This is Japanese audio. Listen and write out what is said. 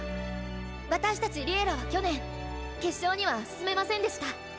私たち「Ｌｉｅｌｌａ！」は去年決勝には進めませんでした。